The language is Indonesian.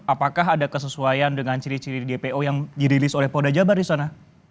apakah ada kesesuaian dengan ciri ciri di dpo yang dirilis oleh polda jabar di sana